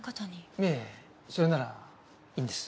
いえそれならいいんです。